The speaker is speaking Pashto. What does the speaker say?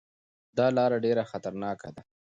دا لاره ډېره خطرناکه ده.